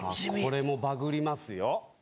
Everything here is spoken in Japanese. これもバグりますよ。